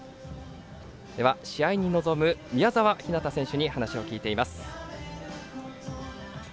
試合に臨む、宮澤ひなた選手に話を聞いています。